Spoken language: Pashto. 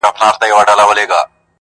خدای درکړی لوړ قامت او تنه پلنه!.